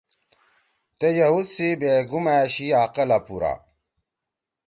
تے یہود سی بیگم أشی عقلا پُورا